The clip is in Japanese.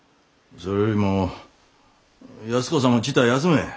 それよりも安子さんもちいたあ休め。